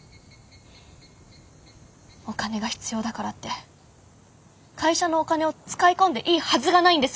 お金が必要だからって会社のお金を使い込んでいいはずがないんです。